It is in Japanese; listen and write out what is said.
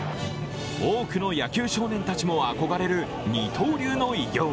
多くの野球少年たちも憧れる二刀流の偉業。